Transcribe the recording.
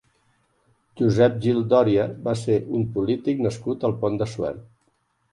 Josep Gil Dòria va ser un polític nascut al Pont de Suert.